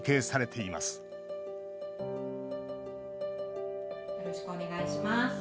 よろしくお願いします。